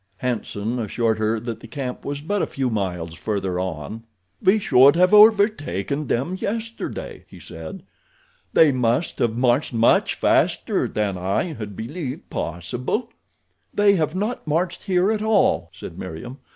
Hanson assured her that the camp was but a few miles further on. "We should have overtaken them yesterday," he said. "They must have marched much faster than I had believed possible." "They have not marched here at all," said Meriem.